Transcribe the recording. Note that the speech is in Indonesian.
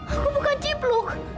aku bukan cipul